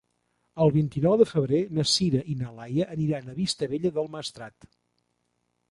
El vint-i-nou de febrer na Sira i na Laia aniran a Vistabella del Maestrat.